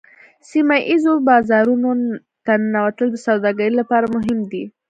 سیمه ایزو بازارونو ته ننوتل د سوداګرۍ لپاره مهم دي